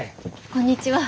こんにちは。